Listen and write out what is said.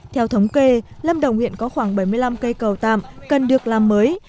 theo thống kê lâm đồng hiện có khoảng bảy mươi năm cây cầu tạm cần được làm mới